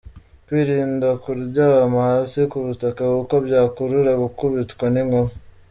Kwirinda kuryama hasi ku butaka kuko byakurura gukubitwa n’inkuba.